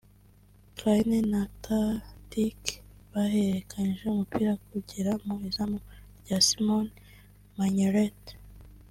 Clyne na Tadic bahererekanyije umupira kugera mu izamu rya Simon Mignolet